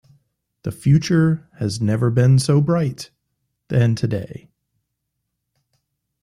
The future has never been so bright than today.